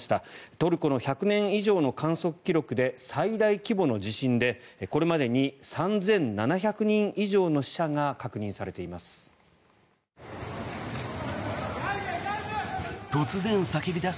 トルコの１００年以上の観測記録で最大規模の地震でこれまでに３７００人以上の死者が確認されています。